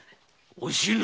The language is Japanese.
おしの。